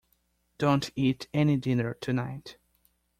Don't eat any dinner tonight.